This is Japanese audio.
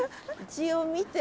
一応見て。